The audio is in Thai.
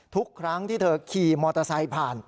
ทุกครั้งที่เธอขี่มอเตอร์ไซค์ผ่าน